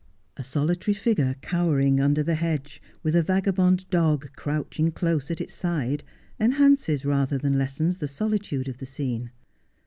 A solitary figure cowering under the hedge, with a vagabond dog crouching close at its side, enhances rather than lessens the solitude of the scene.